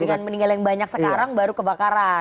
karena yang meninggal yang banyak sekarang baru kebakaran